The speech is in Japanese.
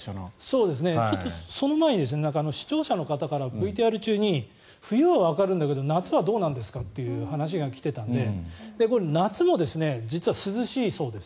ちょっとその前に視聴者の方からＶＴＲ中に冬はわかるんだけど夏はどうなんですかっていう話が来ていたのでこれ、夏も実は涼しいそうです。